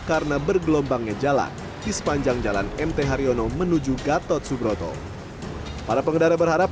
karena bergelombangnya jalan di sepanjang jalan mt haryono menuju gatot subroto para pengedara berharap